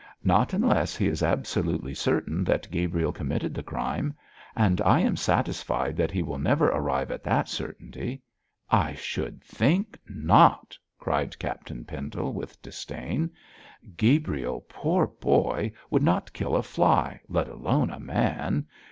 'Not unless he is absolutely certain that Gabriel committed the crime; and I am satisfied that he will never arrive at that certainty.' 'I should think not,' cried Captain Pendle, with disdain. 'Gabriel, poor boy, would not kill a fly, let alone a man.